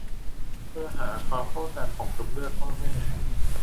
เพื่อหาความเข้ากันของกรุ๊ปเลือดพ่อแม่